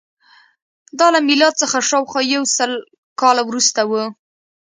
دا له میلاد څخه شاوخوا یو سل کاله وروسته وه